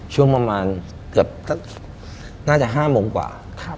ช่วงประมาณเกือบสักน่าจะ๕โมงกว่า